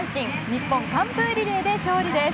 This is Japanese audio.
日本、完封リレーで勝利です。